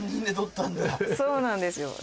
そうなんですよ。